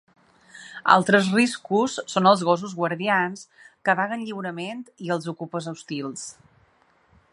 Altres riscos són els gossos guardians que vaguen lliurement i els ocupes hostils.